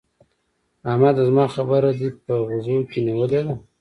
احمده! زما خبره دې په غوږو کې نيولې ده؟